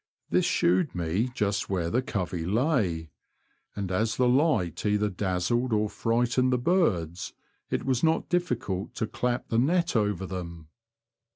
This shewed me just where the covey lay, and as the light either dazzled or frightened the birds, it was not difficult to clap the net over them.